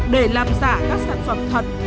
để làm giả các sản phẩm thật